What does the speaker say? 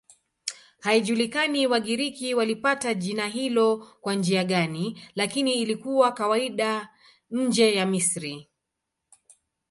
Haijulikani Wagiriki walipata jina hilo kwa njia gani, lakini lilikuwa kawaida nje ya Misri.